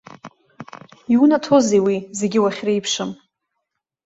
Иунаҭозеи уи, зегьы уахьреиԥшым?